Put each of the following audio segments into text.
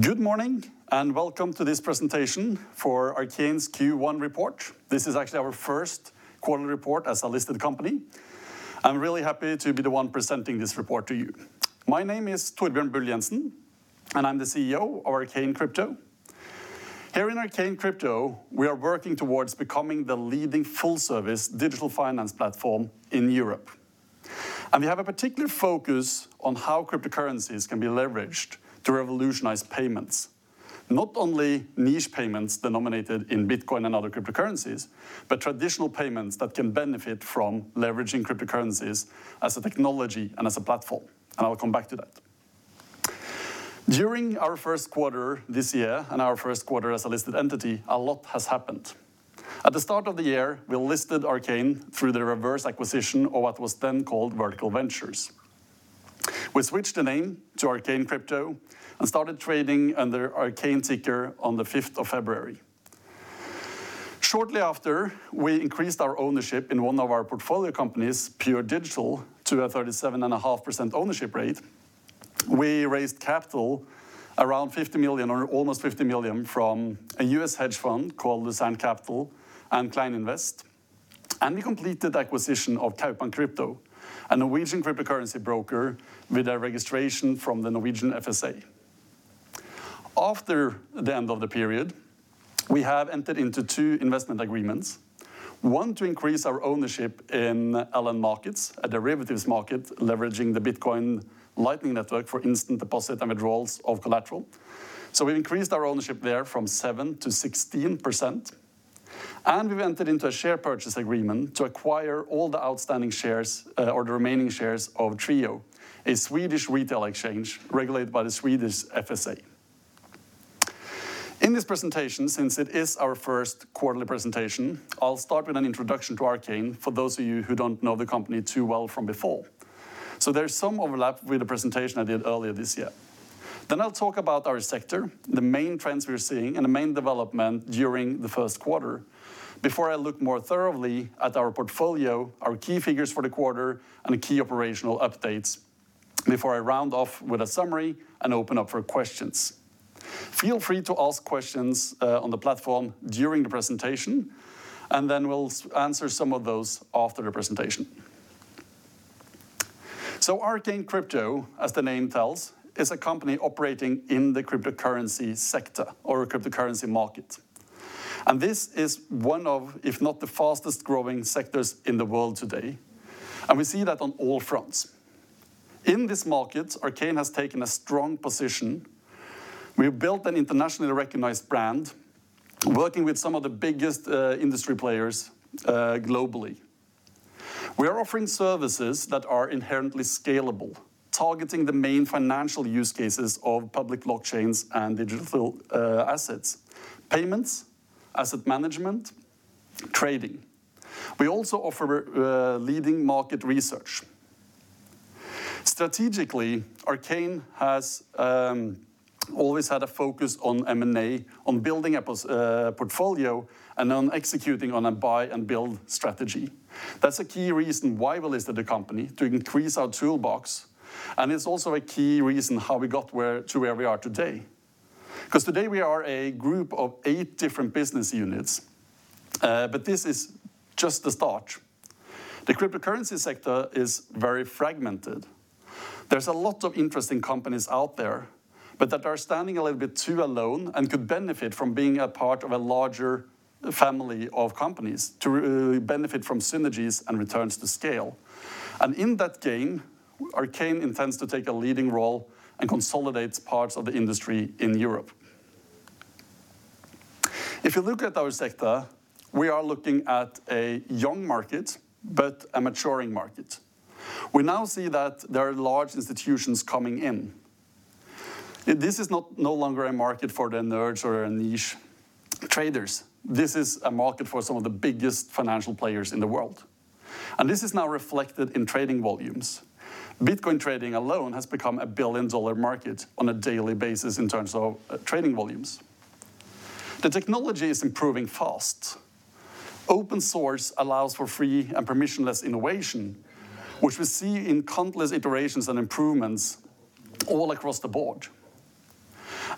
Good morning, welcome to this presentation for Arcane Crypto's Q1 report. This is actually our Q1 report as a listed company. I'm really happy to be the one presenting this report to you. My name is Torbjørn Bull Jenssen, and I'm the CEO of Arcane Crypto. Here in Arcane Crypto, we are working towards becoming the leading full-service digital finance platform in Europe. We have a particular focus on how cryptocurrencies can be leveraged to revolutionize payments, not only niche payments denominated in Bitcoin and other cryptocurrencies, but traditional payments that can benefit from leveraging cryptocurrencies as a technology and as a platform. I will come back to that. During our Q1 this year and our Q1 as a listed entity, a lot has happened. At the start of the year, we listed Arcane Crypto through the reverse acquisition of what was then called Vertical Ventures. We switched the name to Arcane Crypto and started trading under Arcane ticker on the February 5th. Shortly after, we increased our ownership in one of our portfolio companies, Pure Digital, to a 37.5% ownership rate. We raised capital around 50 million, or almost 50 million from a U.S. hedge fund called Lucent Capital and Klein Invest. We completed acquisition of Kaupang Crypto, a Norwegian cryptocurrency broker with a registration from the Norwegian FSA. After the end of the period, we have entered into two investment agreements. One, to increase our ownership in LN Markets, a derivatives market leveraging the Bitcoin Lightning Network for instant deposit and withdrawals of collateral. We increased our ownership there from 6% - 16%, and we've entered into a share purchase agreement to acquire all the outstanding shares, or the remaining shares of Trijo, a Swedish retail exchange regulated by the Swedish FSA. In this presentation, since it is our first quarterly presentation, I'll start with an introduction to Arcane for those of you who don't know the company too well from before. There's some overlap with the presentation I did earlier this year. I'll talk about our sector, the main trends we're seeing, and the main development during the Q1. Before I look more thoroughly at our portfolio, our key figures for the quarter, and the key operational updates, before I round off with a summary and open up for questions. Feel free to ask questions on the platform during the presentation, then we'll answer some of those after the presentation. Arcane Crypto, as the name tells, is a company operating in the cryptocurrency sector or cryptocurrency market. This is one of, if not the fastest growing sectors in the world today, and we see that on all fronts. In this market, Arcane has taken a strong position. We've built an internationally recognized brand, working with some of the biggest industry players globally. We are offering services that are inherently scalable, targeting the main financial use cases of public blockchains and digital assets, payments, asset management, trading. We also offer leading market research. Strategically, Arcane has always had a focus on M&A, on building a portfolio, and on executing on a buy and build strategy. That's a key reason why we listed the company to increase our toolbox, and it's also a key reason how we got to where we are today. Today we are a group of eight different business units. This is just the start. The cryptocurrency sector is very fragmented. There's a lot of interesting companies out there, but that are standing a little bit too alone and could benefit from being a part of a larger family of companies to benefit from synergies and returns to scale. In that game, Arcane intends to take a leading role and consolidates parts of the industry in Europe. If you look at our sector, we are looking at a young market, but a maturing market. We now see that there are large institutions coming in. This is no longer a market for the nerds or a niche traders. This is a market for some of the biggest financial players in the world. This is now reflected in trading volumes. Bitcoin trading alone has become a $1 billion market on a daily basis in terms of trading volumes. The technology is improving fast. Open source allows for free and permissionless innovation, which we see in countless iterations and improvements all across the board.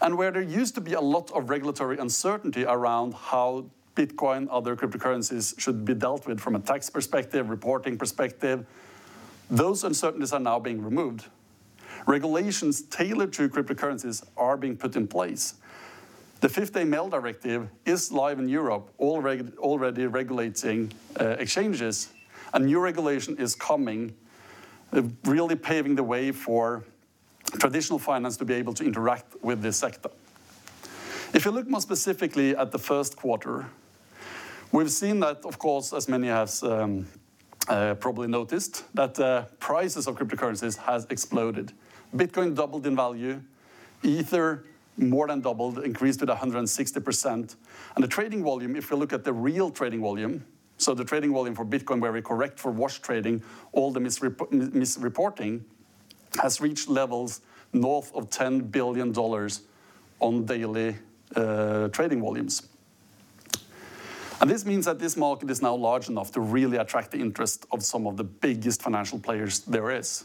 Where there used to be a lot of regulatory uncertainty around how Bitcoin, other cryptocurrencies should be dealt with from a tax perspective, reporting perspective, those uncertainties are now being removed. Regulations tailored to cryptocurrencies are being put in place. The Fifth AML dDirective is live in Europe, already regulating exchanges, and new regulation is coming, really paving the way for traditional finance to be able to interact with this sector. If you look more specifically at the Q1, we've seen that, of course, as many has probably noticed, that prices of cryptocurrencies has exploded. Bitcoin doubled in value. Ether more than doubled, increased to 160%. The trading volume, if you look at the real trading volume, so the trading volume for Bitcoin, where we correct for wash trading, all the misreporting, has reached levels north of $10 billion on daily trading volumes. This means that this market is now large enough to really attract the interest of some of the biggest financial players there is.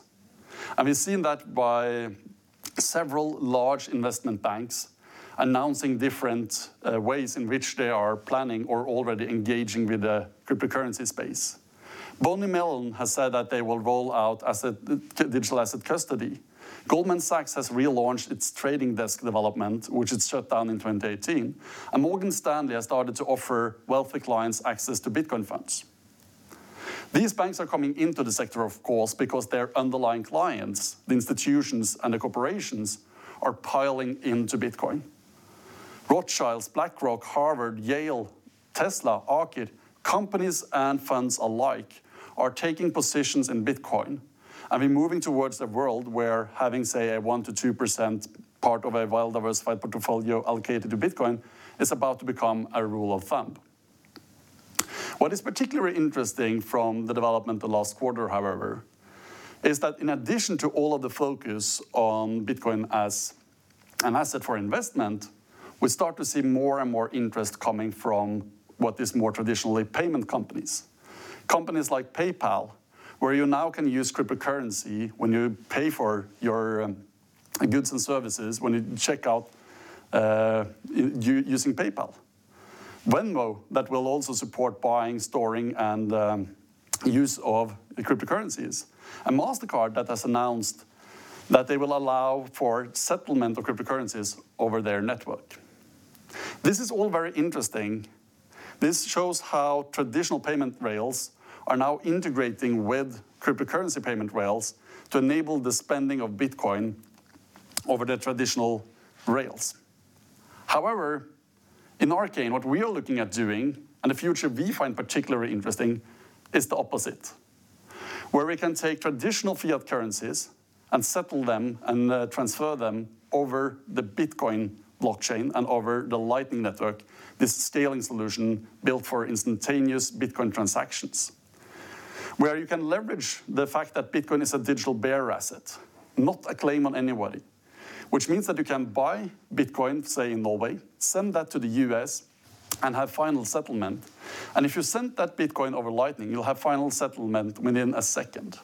We've seen that by several large investment banks announcing different ways in which they are planning or already engaging with the cryptocurrency space. BNY Mellon has said that they will roll out digital asset custody. Goldman Sachs has relaunched its trading desk development, which it shut down in 2018, and Morgan Stanley has started to offer wealthy clients access to Bitcoin funds. These banks are coming into the sector, of course, because their underlying clients, the institutions, and the corporations are piling into Bitcoin. Rothschilds, BlackRock, Harvard, Yale, Tesla, ARK Invest. Companies and funds alike are taking positions in Bitcoin, and we're moving towards a world where having, say, a one percent - two percent part of a well-diversified portfolio allocated to Bitcoin is about to become a rule of thumb. What is particularly interesting from the development the last quarter, however, is that in addition to all of the focus on Bitcoin as an asset for investment, we start to see more and more interest coming from what is more traditionally payment companies. Companies like PayPal, where you now can use cryptocurrency when you pay for your goods and services when you check out using PayPal. Venmo, that will also support buying, storing, and use of cryptocurrencies. Mastercard that has announced that they will allow for settlement of cryptocurrencies over their network. This is all very interesting. This shows how traditional payment rails are now integrating with cryptocurrency payment rails to enable the spending of Bitcoin over the traditional rails. However, in Arcane, what we are looking at doing and the future we find particularly interesting is the opposite. Where we can take traditional fiat currencies and settle them and transfer them over the Bitcoin blockchain and over the Lightning Network, this scaling solution built for instantaneous Bitcoin transactions. Where you can leverage the fact that Bitcoin is a digital bearer asset, not a claim on anybody. Which means that you can buy Bitcoin, say in Norway, send that to the U.S., and have final settlement, and if you send that Bitcoin over Lightning, you'll have final settlement within a second.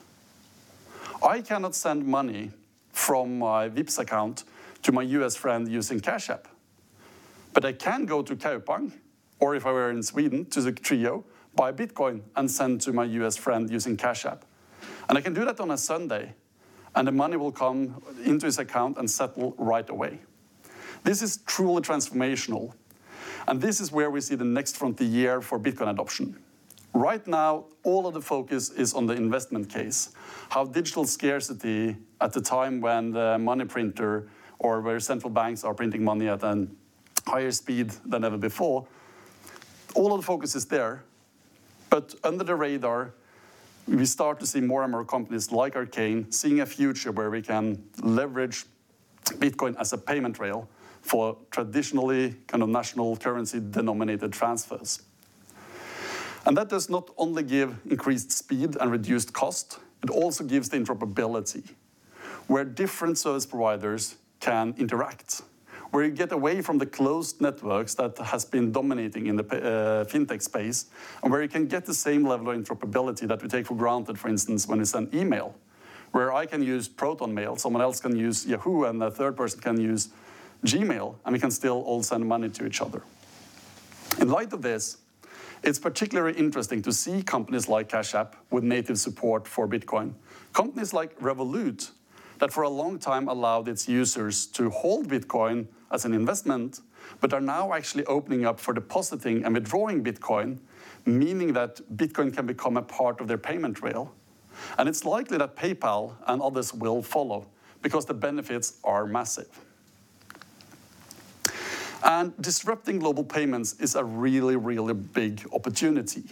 I cannot send money from my Vipps account to my U.S. friend using Cash App, but I can go to Kaupang, or if I were in Sweden, to the Trijo, buy Bitcoin, and send to my U.S. friend using Cash App. I can do that on a Sunday, and the money will come into his account and settle right away. This is truly transformational, and this is where we see the next frontier for Bitcoin adoption. Right now, all of the focus is on the investment case, how digital scarcity at the time when the money printer or where central banks are printing money at a higher speed than ever before, all of the focus is there. Under the radar, we start to see more and more companies like Arcane seeing a future where we can leverage Bitcoin as a payment rail for traditionally national currency denominated transfers. That does not only give increased speed and reduced cost, it also gives the interoperability where different service providers can interact. Where you get away from the closed networks that has been dominating in the fintech space, and where you can get the same level of interoperability that we take for granted, for instance, when it's an email. Where I can use ProtonMail, someone else can use Yahoo, and a third person can use Gmail, and we can still all send money to each other. In light of this, it's particularly interesting to see companies like Cash App with native support for Bitcoin. Companies like Revolut that for a long time allowed its users to hold Bitcoin as an investment, but are now actually opening up for depositing and withdrawing Bitcoin, meaning that Bitcoin can become a part of their payment rail. It's likely that PayPal and others will follow because the benefits are massive. Disrupting global payments is a really big opportunity.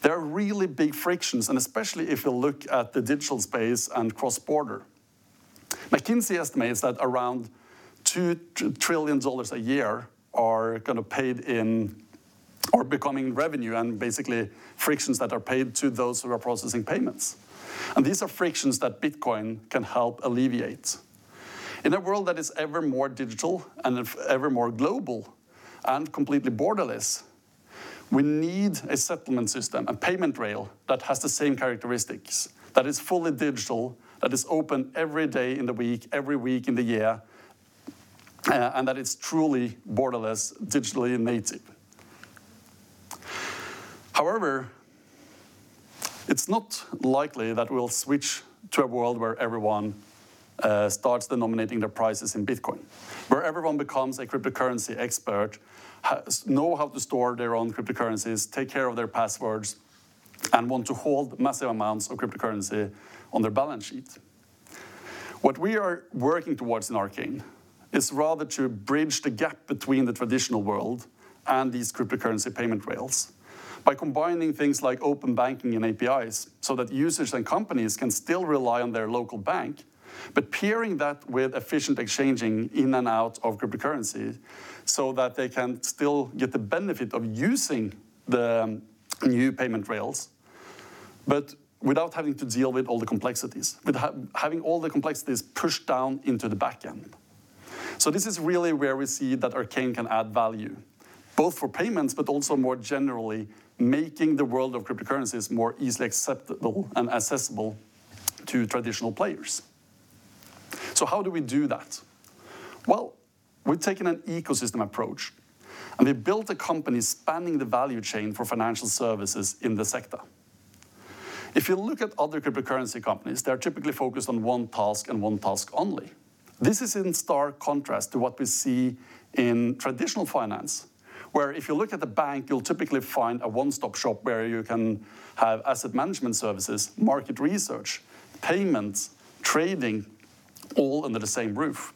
There are really big frictions, and especially if you look at the digital space and cross-border. McKinsey estimates that around $2 trillion a year are paid in or becoming revenue, and basically frictions that are paid to those who are processing payments. These are frictions that Bitcoin can help alleviate. In a world that is ever more digital and ever more global and completely borderless, we need a settlement system, a payment rail that has the same characteristics. That is fully digital, that is open every day in the week, every week in the year, and that it's truly borderless, digitally native. However, it's not likely that we'll switch to a world where everyone starts denominating their prices in Bitcoin. Where everyone becomes a cryptocurrency expert, know how to store their own cryptocurrencies, take care of their passwords, and want to hold massive amounts of cryptocurrency on their balance sheet. What we are working towards in Arcane is rather to bridge the gap between the traditional world and these cryptocurrency payment rails by combining things like open banking and APIs, so that users and companies can still rely on their local bank. Pairing that with efficient exchanging in and out of cryptocurrency so that they can still get the benefit of using the new payment rails. Without having to deal with all the complexities pushed down into the back end. This is really where we see that Arcane can add value, both for payments, but also more generally making the world of cryptocurrencies more easily acceptable and accessible to traditional players. How do we do that? Well, we've taken an ecosystem approach, and we built a company spanning the value chain for financial services in the sector. If you look at other cryptocurrency companies, they're typically focused on one task and one task only. This is in stark contrast to what we see in traditional finance, where if you look at the bank, you'll typically find a one-stop shop where you can have asset management services, market research, payments, trading, all under the same roof.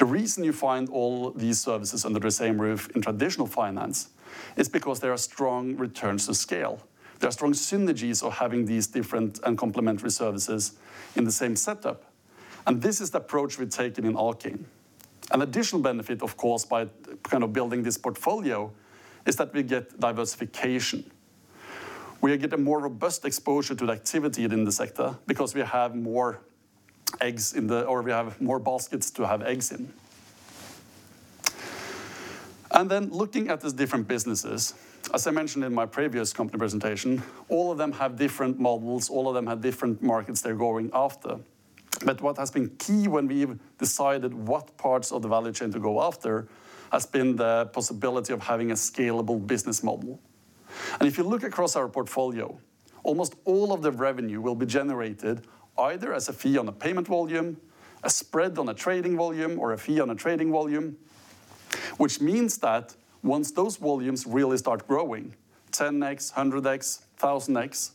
The reason you find all these services under the same roof in traditional finance is because there are strong returns to scale. There are strong synergies of having these different and complementary services in the same setup. This is the approach we've taken in Arcane. An additional benefit, of course, by building this portfolio is that we get diversification. We get a more robust exposure to the activity within the sector because we have more baskets to have eggs in. Looking at these different businesses, as I mentioned in my previous company presentation, all of them have different models, all of them have different markets they're going after. What has been key when we've decided what parts of the value chain to go after has been the possibility of having a scalable business model. If you look across our portfolio, almost all of the revenue will be generated either as a fee on a payment volume, a spread on a trading volume, or a fee on a trading volume, which means that once those volumes really start growing, 10x, 100x, 1,000x,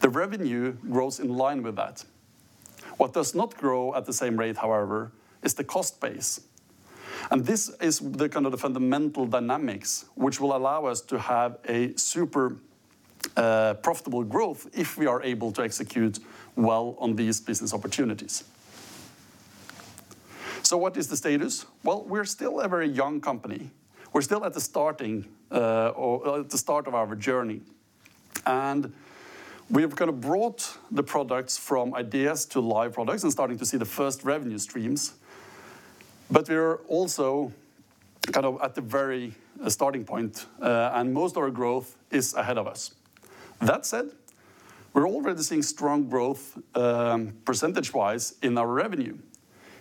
the revenue grows in line with that. What does not grow at the same rate, however, is the cost base. This is the kind of the fundamental dynamics which will allow us to have a super profitable growth if we are able to execute well on these business opportunities. What is the status? Well, we're still a very young company. We're still at the start of our journey, and we've brought the products from ideas to live products and starting to see the first revenue streams. We're also at the very starting point, and most of our growth is ahead of us. That said, we're already seeing strong growth, percentage-wise in our revenue.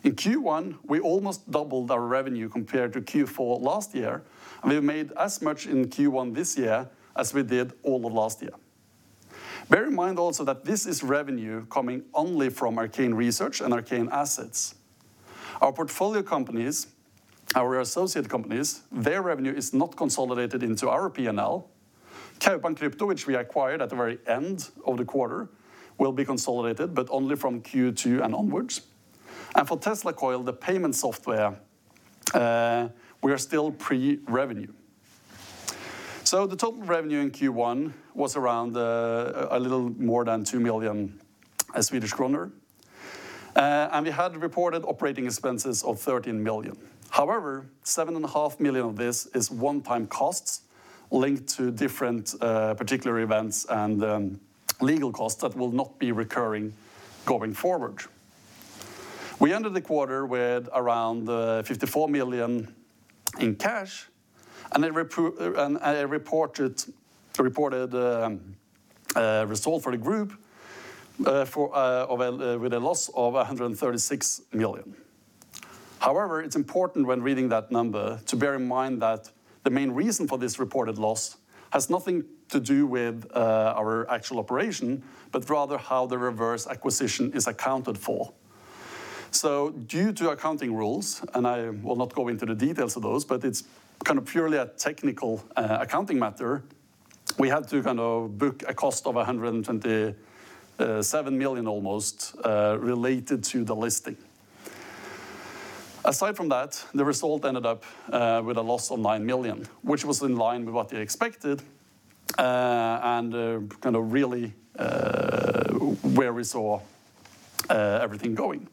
In Q1, we almost doubled our revenue compared to Q4 last year, and we've made as much in Q1 this year as we did all of last year. Bear in mind also that this is revenue coming only from Arcane Research and Arcane Assets. Our portfolio companies, our associate companies, their revenue is not consolidated into our P&L. Kaupang Crypto, which we acquired at the very end of the quarter, will be consolidated, but only from Q2 and onwards. For Tesla Coil, the payment software, we are still pre-revenue. The total revenue in Q1 was around a little more than 2 million Swedish kronor. We had reported operating expenses of 13 million. However, 7.5 million of this is one-time costs linked to different particular events and legal costs that will not be recurring going forward. We ended the quarter with around 54 million in cash and a reported result for the group with a loss of 136 million. It's important when reading that number to bear in mind that the main reason for this reported loss has nothing to do with our actual operation, but rather how the reverse acquisition is accounted for. Due to accounting rules, and I will not go into the details of those, but it's purely a technical accounting matter, we had to book a cost of almost 127 million related to the listing. Aside from that, the result ended up with a loss of 9 million, which was in line with what we expected and really where we saw everything going.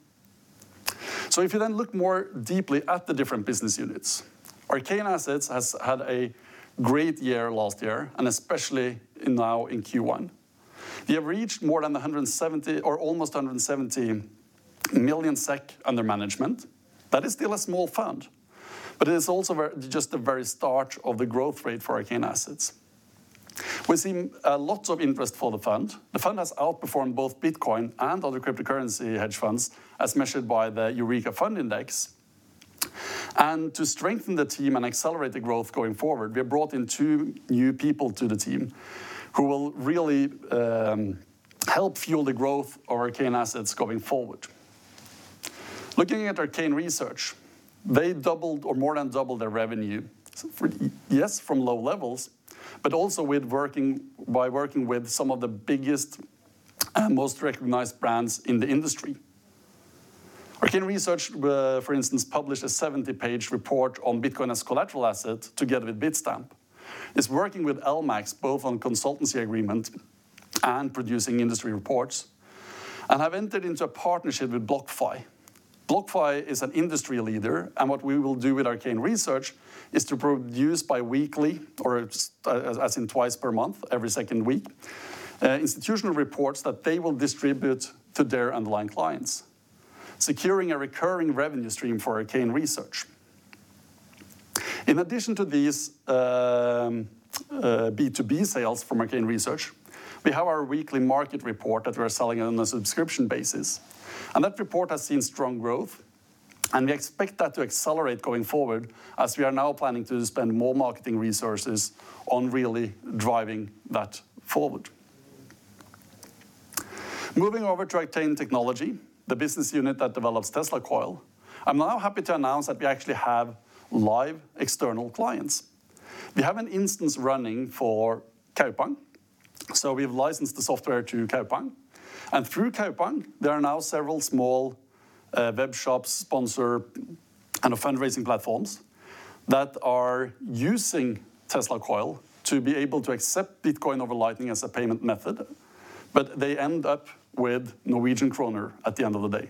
If you look more deeply at the different business units, Arcane Assets has had a great year last year and especially now in Q1. We have reached more than 170 million or almost 170 million SEK under management. That is still a small fund, but it is also just the very start of the growth rate for Arcane Assets. We're seeing lots of interest for the fund. The fund has outperformed both Bitcoin and other cryptocurrency hedge funds as measured by the Eurekahedge index. To strengthen the team and accelerate the growth going forward, we have brought in two new people to the team who will really help fuel the growth of Arcane Assets going forward. Looking at Arcane Research, they doubled or more than doubled their revenue, yes, from low levels, but also by working with some of the biggest and most recognized brands in the industry. Arcane Research, for instance, published a 70-page report on Bitcoin as collateral asset together with Bitstamp. It's working with LMAX both on consultancy agreement and producing industry reports. Have entered into a partnership with BlockFi. BlockFi is an industry leader, and what we will do with Arcane Research is to produce bi-weekly, or as in twice per month, every second week, institutional reports that they will distribute to their underlying clients, securing a recurring revenue stream for Arcane Research. In addition to these B2B sales from Arcane Research, we have our weekly market report that we're selling on a subscription basis. That report has seen strong growth, and we expect that to accelerate going forward as we are now planning to spend more marketing resources on really driving that forward. Moving over to Arcane Technology, the business unit that develops Tesla Coil. I'm now happy to announce that we actually have live external clients. We have an instance running for Kaupang. We've licensed the software to Kaupang, and through Kaupang, there are now several small web shops, sponsor, and fundraising platforms that are using Tesla Coil to be able to accept Bitcoin over Lightning as a payment method. They end up with Norwegian kroner at the end of the day.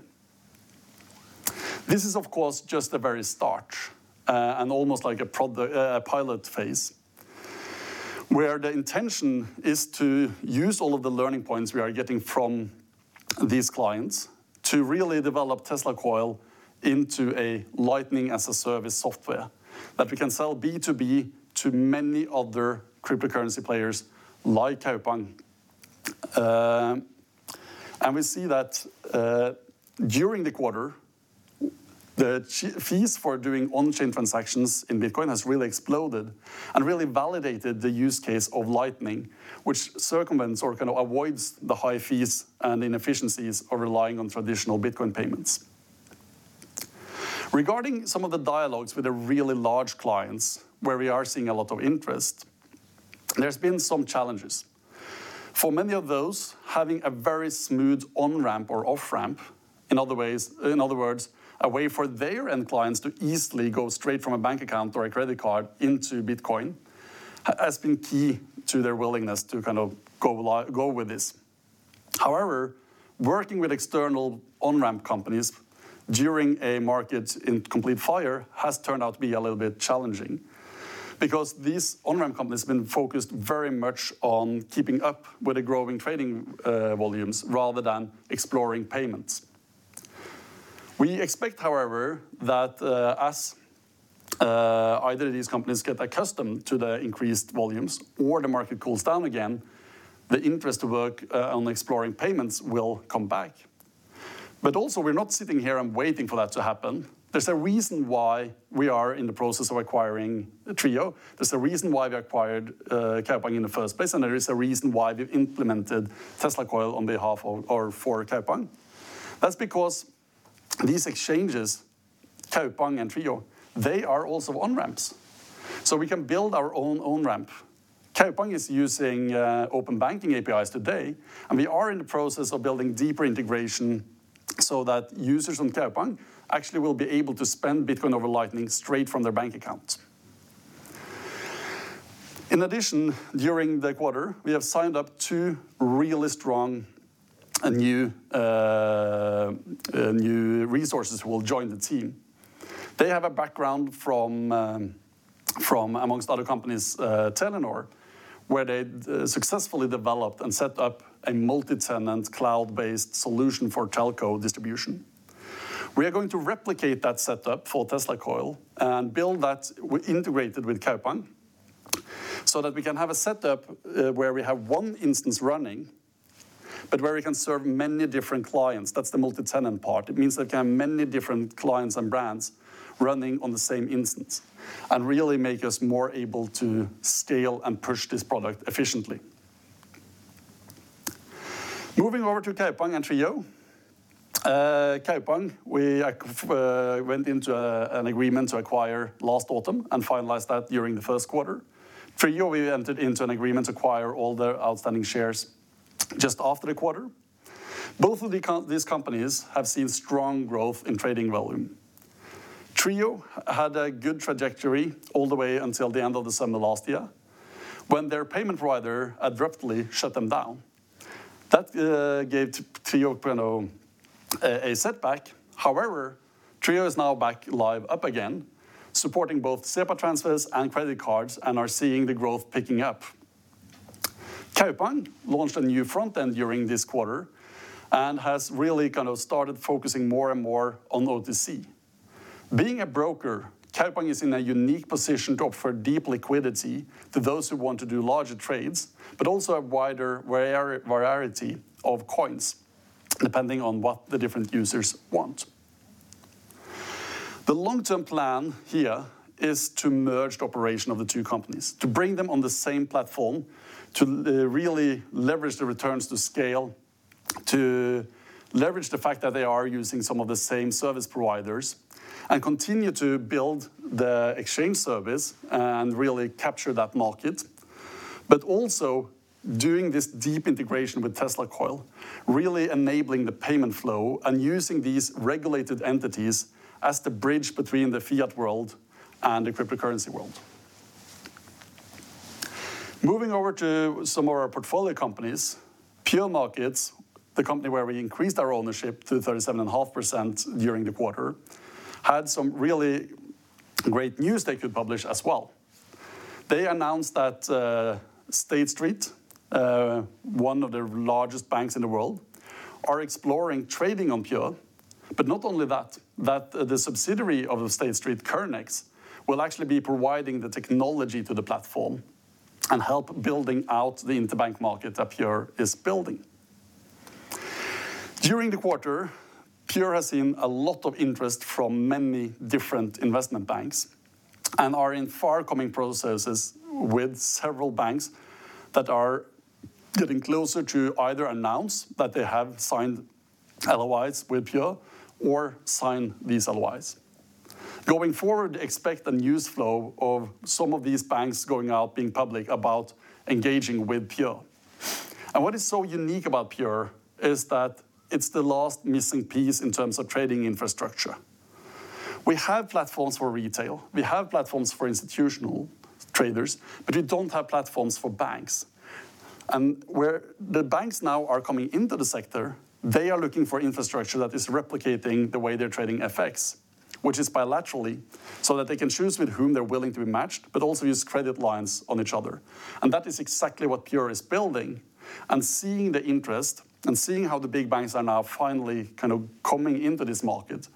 This is, of course, just the very start, and almost like a pilot phase, where the intention is to use all of the learning points we are getting from these clients to really develop Tesla Coil into a Lightning as a service software that we can sell B2B to many other cryptocurrency players like Kaupang. We see that during the quarter, the fees for doing on-chain transactions in Bitcoin has really exploded and really validated the use case of Lightning, which circumvents or kind of avoids the high fees and inefficiencies of relying on traditional Bitcoin payments. Regarding some of the dialogues with the really large clients, where we are seeing a lot of interest, there's been some challenges. For many of those, having a very smooth on-ramp or off-ramp, in other words, a way for their end clients to easily go straight from a bank account or a credit card into Bitcoin, has been key to their willingness to go with this. Working with external on-ramp companies during a market in complete fire has turned out to be a little bit challenging because these on-ramp companies have been focused very much on keeping up with the growing trading volumes rather than exploring payments. We expect, however, that as either these companies get accustomed to the increased volumes or the market cools down again, the interest to work on exploring payments will come back. We're not sitting here and waiting for that to happen. There's a reason why we are in the process of acquiring Trijo. There's a reason why we acquired Kaupang in the first place, and there is a reason why we've implemented Tesla Coil for Kaupang. That's because these exchanges, Kaupang and Trijo, they are also on-ramps. We can build our own on-ramp. Kaupang is using open banking APIs today, and we are in the process of building deeper integration so that users on Kaupang actually will be able to spend Bitcoin over Lightning straight from their bank accounts. In addition, during the quarter, we have signed up two really strong and new resources who will join the team. They have a background from, amongst other companies, Telenor, where they successfully developed and set up a multi-tenant cloud-based solution for telco distribution. We are going to replicate that setup for Tesla Coil and build that integrated with Kaupang so that we can have a setup where we have one instance running, but where we can serve many different clients. That's the multi-tenant part. It means there can be many different clients and brands running on the same instance and really make us more able to scale and push this product efficiently. Moving over to Kaupang and Trijo. Kaupang, we went into an agreement to acquire last autumn and finalized that during the first quarter. Trijo, we entered into an agreement to acquire all their outstanding shares just after the quarter. Both of these companies have seen strong growth in trading volume. Trijo had a good trajectory all the way until the end of December last year, when their payment provider abruptly shut them down. That gave Trijo a setback. Trijo is now back live up again, supporting both SEPA transfers and credit cards and are seeing the growth picking up. Kaupang launched a new front end during this quarter and has really kind of started focusing more and more on OTC. Being a broker, Kaupang is in a unique position to offer deep liquidity to those who want to do larger trades, but also a wider variety of coins, depending on what the different users want. The long term plan here is to merge the operation of the two companies, to bring them on the same platform, to really leverage the returns to scale, to leverage the fact that they are using some of the same service providers and continue to build the exchange service and really capture that market. Also doing this deep integration with Tesla Coil, really enabling the payment flow and using these regulated entities as the bridge between the fiat world and the cryptocurrency world. Moving over to some of our portfolio companies, Pure Digital, the company where we increased our ownership to 37.5% during the quarter, had some really great news they could publish as well. They announced that State Street, one of the largest banks in the world, are exploring trading on Pure. Not only that, the subsidiary of State Street, Currenex, will actually be providing the technology to the platform and help building out the interbank market that Pure is building. During the quarter, Pure Digital has seen a lot of interest from many different investment banks and are in far coming processes with several banks that are getting closer to either announce that they have signed LOIs with Pure Digital or sign these LOIs. Going forward, expect a news flow of some of these banks going out being public about engaging with Pure Digital. What is so unique about Pure Digital is that it's the last missing piece in terms of trading infrastructure. We have platforms for retail, we have platforms for institutional traders, but we don't have platforms for banks. Where the banks now are coming into the sector, they are looking for infrastructure that is replicating the way they're trading FX, which is bilaterally, so that they can choose with whom they're willing to be matched, but also use credit lines on each other. That is exactly what Pure is building. Seeing the interest and seeing how the big banks are now finally coming into this market,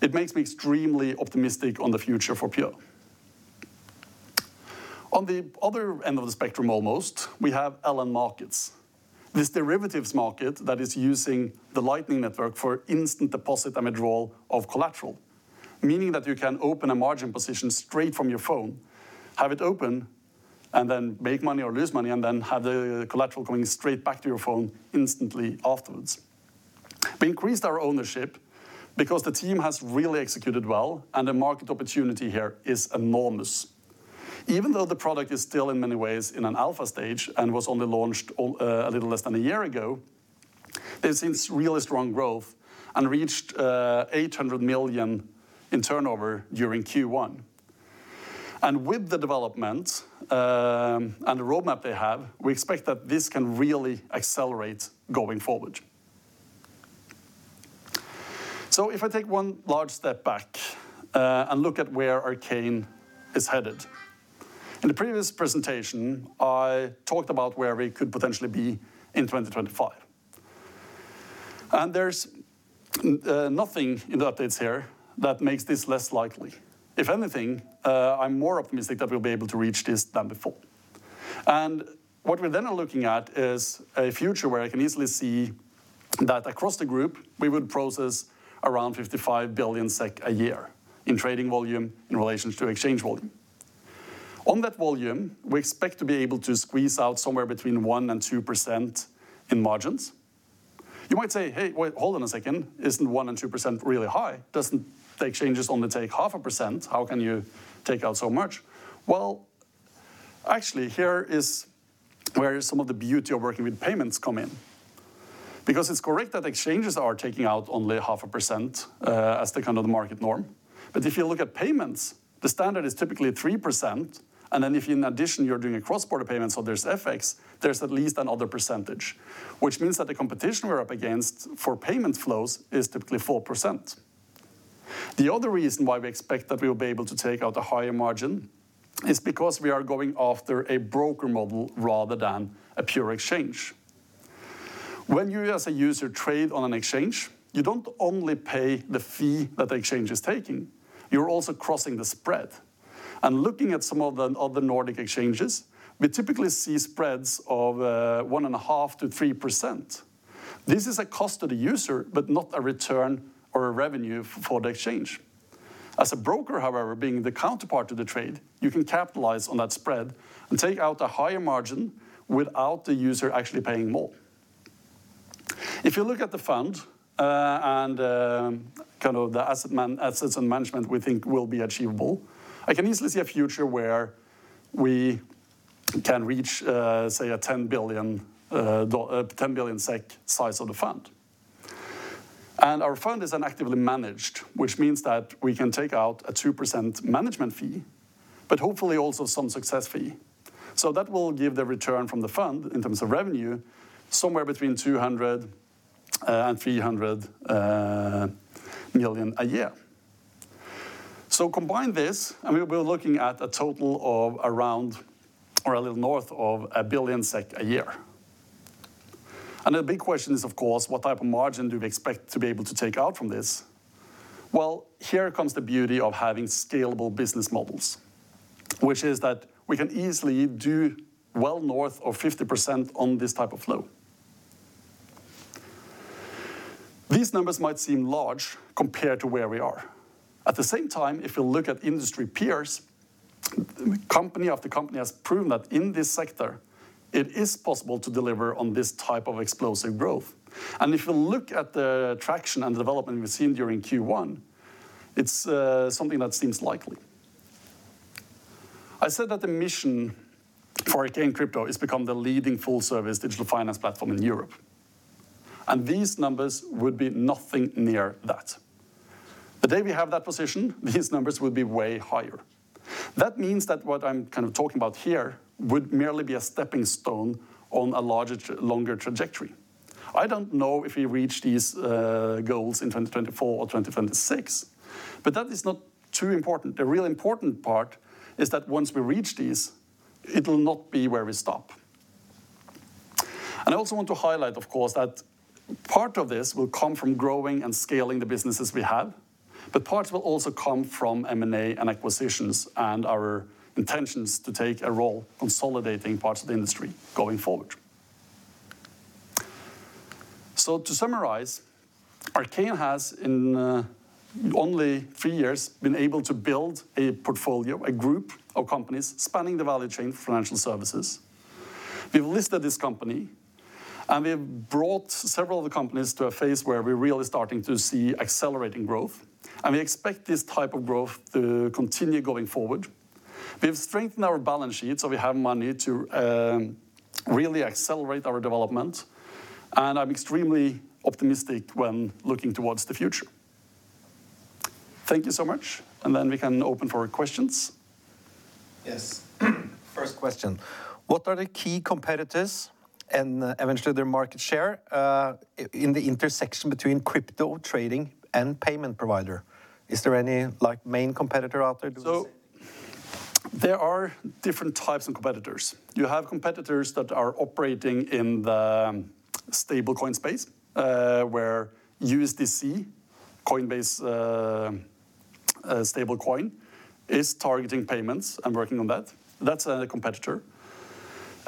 it makes me extremely optimistic on the future for Pure. On the other end of the spectrum, almost, we have LN Markets, this derivatives market that is using the Lightning Network for instant deposit and withdrawal of collateral, meaning that you can open a margin position straight from your phone, have it open, and then make money or lose money, and then have the collateral coming straight back to your phone instantly afterwards. We increased our ownership because the team has really executed well and the market opportunity here is enormous. Even though the product is still in many ways in an alpha stage and was only launched a little less than a year ago, it's seen really strong growth and reached 800 million in turnover during Q1. With the development and the roadmap they have, we expect that this can really accelerate going forward. If I take one large step back and look at where Arcane is headed. In the previous presentation, I talked about where we could potentially be in 2025, there's nothing in the updates here that makes this less likely. If anything, I'm more optimistic that we'll be able to reach this than before. What we're then looking at is a future where I can easily see that across the group, we would process around 55 billion SEK a year in trading volume in relation to exchange volume. On that volume, we expect to be able to squeeze out somewhere between one percent and two percent in margins. You might say, "Hey, wait, hold on a second. Isn't one percent and two percent really high? Doesn't the exchanges only take half a percent? How can you take out so much?" Well, actually here is where some of the beauty of working with payments come in, because it's correct that exchanges are taking out only half a percent as the market norm. If you look at payments, the standard is typically three percent. If in addition, you're doing a cross-border payment, so there's FX, there's at least another percentage, which means that the competition we're up against for payment flows is typically four percent. The other reason why we expect that we will be able to take out a higher margin is because we are going after a broker model rather than a pure exchange. When you as a user trade on an exchange, you don't only pay the fee that the exchange is taking, you're also crossing the spread. Looking at some of the other Nordic exchanges, we typically see spreads of 1.5%-3%. This is a cost to the user, but not a return or a revenue for the exchange. As a broker, however, being the counterpart to the trade, you can capitalize on that spread and take out a higher margin without the user actually paying more. If you look at the fund and the assets and management we think will be achievable, I can easily see a future where we can reach, say, a 10 billion SEK size of the fund. Our fund is actively managed, which means that we can take out a two percent management fee, but hopefully also some success fee. That will give the return from the fund in terms of revenue, somewhere between 200 million-300 million a year. Combine this, and we're looking at a total of around or a little north of 1 billion SEK a year. The big question is, of course, what type of margin do we expect to be able to take out from this? Well, here comes the beauty of having scalable business models, which is that we can easily do well north of 50% on this type of flow. These numbers might seem large compared to where we are. At the same time, if you look at industry peers, company after company has proven that in this sector, it is possible to deliver on this type of explosive growth. If you look at the traction and the development we've seen during Q1, it's something that seems likely. I said that the mission for Arcane Crypto is to become the leading full-service digital finance platform in Europe. These numbers would be nothing near that. The day we have that position, these numbers will be way higher. That means that what I'm talking about here would merely be a stepping stone on a longer trajectory. I don't know if we reach these goals in 2024 or 2026, but that is not too important. The really important part is that once we reach these, it'll not be where we stop. I also want to highlight, of course, that part of this will come from growing and scaling the businesses we have, but part will also come from M&A and acquisitions and our intentions to take a role consolidating parts of the industry going forward. To summarize, Arcane has in only three years been able to build a portfolio, a group of companies spanning the value chain for financial services. We've listed this company, we've brought several of the companies to a phase where we're really starting to see accelerating growth, we expect this type of growth to continue going forward. We've strengthened our balance sheet, we have money to really accelerate our development. I'm extremely optimistic when looking towards the future. Thank you so much. We can open for questions. Yes. First question: What are the key competitors and eventually their market share, in the intersection between crypto trading and payment provider? Is there any main competitor out there doing this? There are different types of competitors. You have competitors that are operating in the stablecoin space, where USDC, Coinbase stablecoin, is targeting payments and working on that. That's a competitor.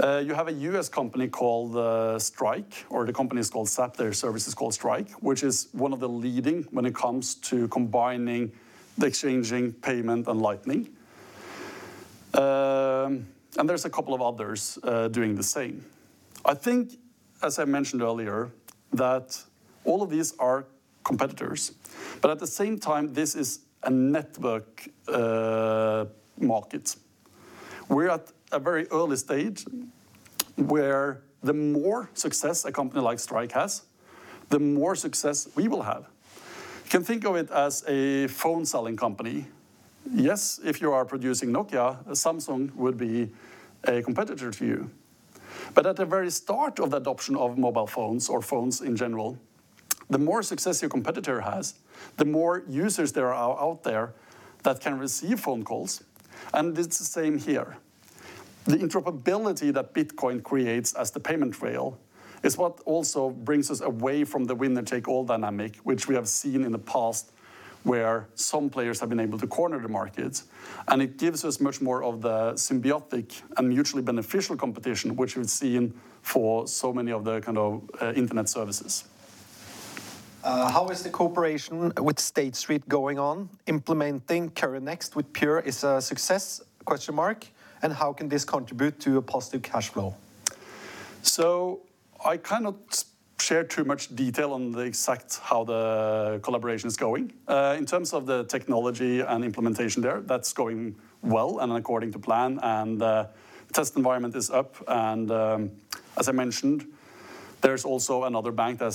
You have a U.S. company called Strike, or the company is called Zap, their service is called Strike, which is one of the leading when it comes to combining the exchanging payment and Lightning. There's a couple of others doing the same. I think, as I mentioned earlier, that all of these are competitors, but at the same time, this is a network market. We're at a very early stage where the more success a company like Strike has, the more success we will have. You can think of it as a phone-selling company. If you are producing Nokia, Samsung would be a competitor to you. At the very start of the adoption of mobile phones or phones in general, the more success your competitor has, the more users there are out there that can receive phone calls, and it's the same here. The interoperability that Bitcoin creates as the payment rail is what also brings us away from the winner-take-all dynamic, which we have seen in the past, where some players have been able to corner the market, and it gives us much more of the symbiotic and mutually beneficial competition, which we've seen for so many of the internet services. How is the cooperation with State Street going on? Implementing Currenex with Pure is a success? How can this contribute to a positive cash flow? I cannot share too much detail on the exact how the collaboration is going. In terms of the technology and implementation there, that's going well and according to plan, and the test environment is up and, as I mentioned, there's also another bank that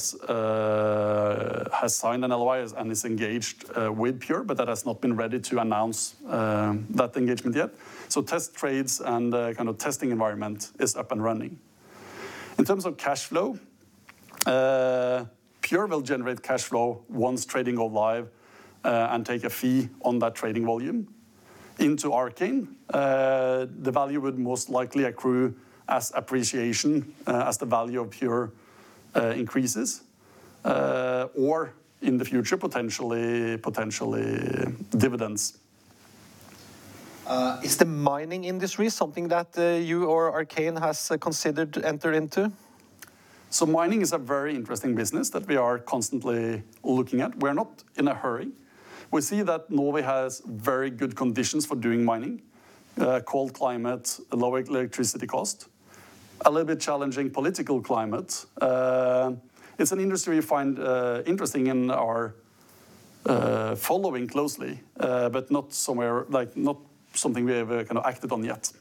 has signed an LOI and is engaged with Pure, but that has not been ready to announce that engagement yet. Test trades and testing environment is up and running. In terms of cash flow, Pure will generate cash flow once trading go live and take a fee on that trading volume into Arcane. The value would most likely accrue as appreciation as the value of Pure increases, or in the future, potentially dividends. Is the mining industry something that you or Arcane has considered to enter into? Mining is a very interesting business that we are constantly looking at. We're not in a hurry. We see that Norway has very good conditions for doing mining, cold climate, low electricity cost, a little bit challenging political climate. It's an industry we find interesting and are following closely, but not something we have acted on yet.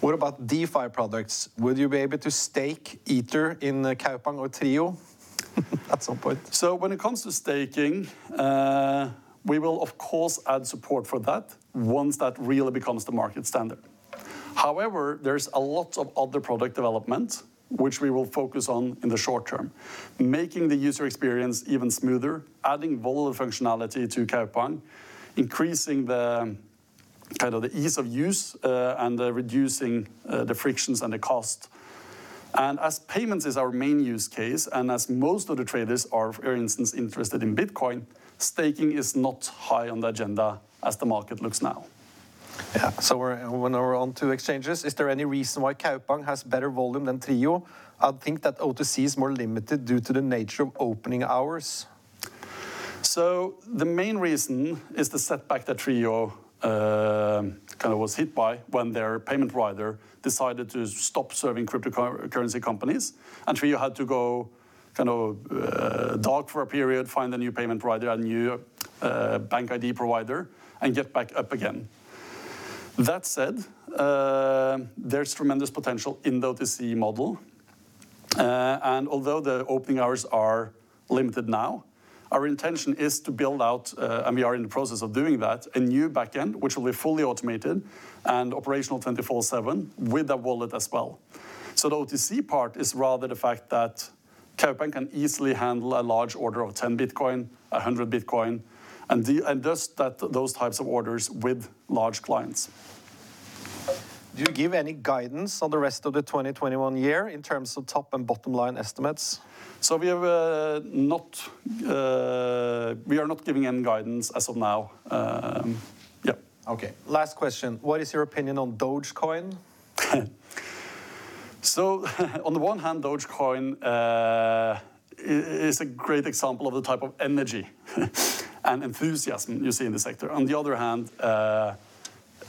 What about DeFi products? Will you be able to stake Ether in Kaupang or Trijo at some point? When it comes to staking, we will of course add support for that once that really becomes the market standard. However, there's a lot of other product development which we will focus on in the short term, making the user experience even smoother, adding wallet functionality to Kaupang, increasing the ease of use, and reducing the frictions and the cost. As payments is our main use case, and as most of the traders are, for instance, interested in Bitcoin, staking is not high on the agenda as the market looks now. Yeah. When we're onto exchanges, is there any reason why Kaupang has better volume than Trijo? I'd think that OTC is more limited due to the nature of opening hours. The main reason is the setback that Trijo was hit by when their payment provider decided to stop serving cryptocurrency companies, and Trijo had to go dark for a period, find a new payment provider, a new bank ID provider, and get back up again. That said, there's tremendous potential in the OTC model. Although the opening hours are limited now, our intention is to build out, and we are in the process of doing that, a new back end, which will be fully automated and operational 24/7 with a wallet as well. The OTC part is rather the fact that Kaupang can easily handle a large order of 10 Bitcoin, 100 Bitcoin, and just those types of orders with large clients. Do you give any guidance on the rest of the 2021 year in terms of top and bottom line estimates? We are not giving any guidance as of now. Yep. Okay. Last question. What is your opinion on Dogecoin? On the one hand, Dogecoin is a great example of the type of energy and enthusiasm you see in the sector. On the other hand,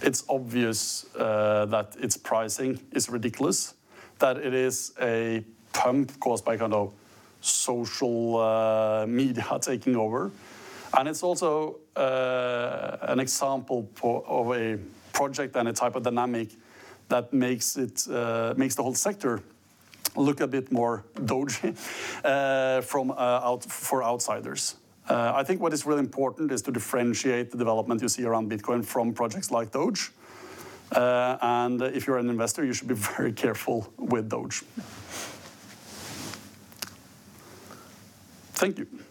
it's obvious that its pricing is ridiculous, that it is a pump caused by social media taking over, and it's also an example of a project and a type of dynamic that makes the whole sector look a bit more Doge for outsiders. I think what is really important is to differentiate the development you see around Bitcoin from projects like Doge. If you're an investor, you should be very careful with Doge. Thank you.